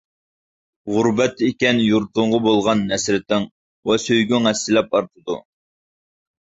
غۇربەتتە ئىكەن يۇرتۇڭغا بولغان ھەسرىتىڭ ۋە سۆيگۈڭ ھەسسىلەپ ئارتىدۇ.